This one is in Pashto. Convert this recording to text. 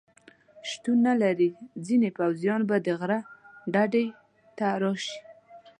شتون نه لري، ځینې پوځیان به د غره ډډې ته راشي.